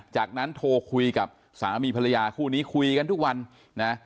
จากนั้นโทรคุยกับสามีภรรยาคู่นี้คุยกันทุกวันนะ